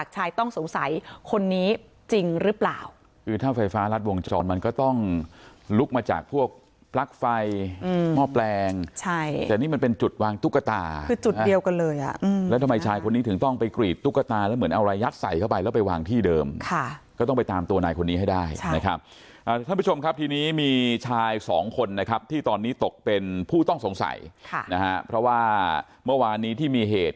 วงจรมันก็ต้องลุกมาจากพวกพลักไฟหม้อแปลงใช่แต่นี่มันเป็นจุดวางตุ๊กตาคือจุดเดียวกันเลยอ่ะแล้วทำไมชายคนนี้ถึงต้องไปกรีดตุ๊กตาแล้วเหมือนเอารายัดใส่เข้าไปแล้วไปวางที่เดิมค่ะก็ต้องไปตามตัวนายคนนี้ให้ได้นะครับอ่าท่านผู้ชมครับทีนี้มีชายสองคนนะครับที่ตอนนี้ตกเป็นผู้ต้องสงสัยค่ะนะฮะเพราะว่าเ